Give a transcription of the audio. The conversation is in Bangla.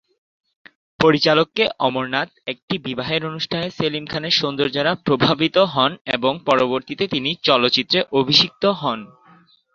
পরিচালক কে অমরনাথ একটি বিবাহের অনুষ্ঠানে সেলিম খানের সৌন্দর্য দ্বারা প্রভাবিত হন এবং পরবর্তীতে তিনি চলচ্চিত্রে অভিষিক্ত হন।